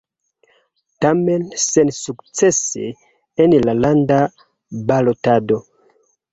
Tamen sensukcese en la landa balotado.